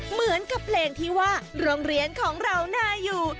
เหมือนกับเพลงที่ว่าโรงเรียนของเราน่าอยู่